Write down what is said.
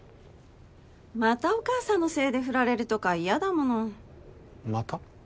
またお母さんのせいでフラれるとか嫌だものまた？